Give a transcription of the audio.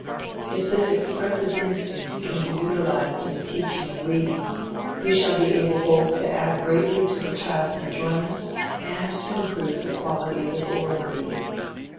If this expressive instinct can be utilized in the teaching of reading, we shall be able both to add greatly to the child's enjoyment and to improve the quality of his oral reading.